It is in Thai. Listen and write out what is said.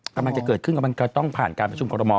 กำลังจะเกิดขึ้นกำลังจะต้องผ่านการประชุมคอรมอล